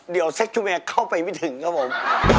เดี๋ยวแซ่กชุมแพร่เข้าไปไม่ถึงครับผม